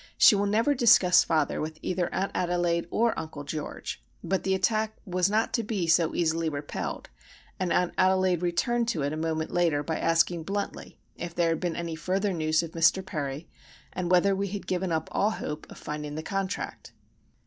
She will never discuss father with either Aunt Adelaide or Uncle George;—but the attack was not to be so easily repelled, and Aunt Adelaide returned to it a moment later by asking bluntly if there had been any further news of Mr. Perry, and whether we had given up all hope of finding the contract.